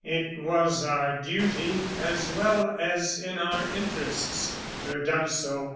It was our duty, as well as in our interests, to have done so.